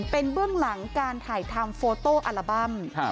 เป็นเบื้องหลังการถ่ายทำโฟโต้อัลบั้ม